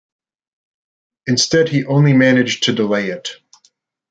Instead he only managed to delay it.